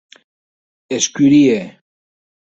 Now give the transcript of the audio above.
Escurie.